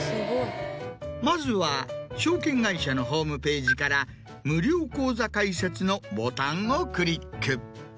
まずは証券会社のホームページから無料口座開設のボタンをクリック。